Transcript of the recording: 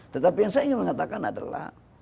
tetapi yang saya ingin mengatakan adalah